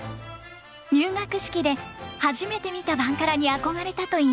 入学式で初めて見たバンカラに憧れたといいます。